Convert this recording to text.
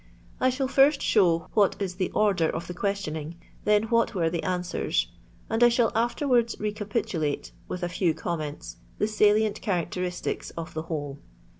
I shall first show what is the order of the questioning, then what were the answers, and I shall afterwards recapitulate, with a few comments, the salient characteristics of the whole.